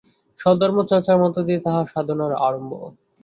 স্বধর্ম-চর্চার মধ্য দিয়া তাঁহার সাধনার আরম্ভ।